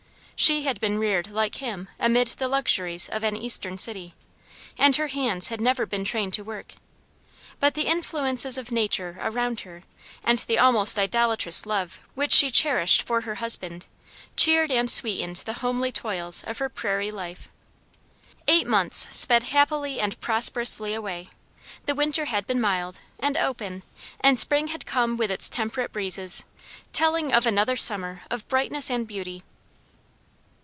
She had been reared like him amid the luxuries of an eastern city, and her hands had never been trained to work. But the influences of nature around her, and the almost idolatrous love which she cherished for her husband, cheered and sweetened the homely toils of her prairie life. Eight months sped happily and prosperously away; the winter had been mild, and open, and spring had come with its temperate breezes, telling of another summer of brightness and beauty.